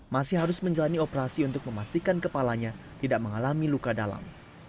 masih harus menjalani operasi untuk memastikan kepalanya tidak mengalami luka dalam